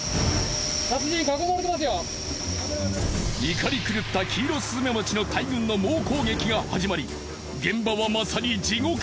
怒り狂ったキイロスズメバチの大群の猛攻撃が始まり現場はまさに地獄。